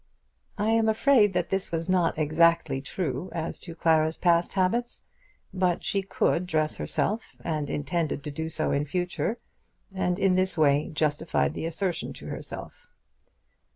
I am afraid this was not exactly true as to Clara's past habits; but she could dress herself, and intended to do so in future, and in this way justified the assertion to herself.